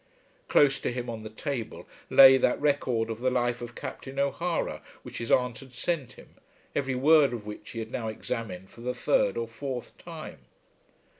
Close to him on the table lay that record of the life of Captain O'Hara, which his aunt had sent him, every word of which he had now examined for the third or fourth time.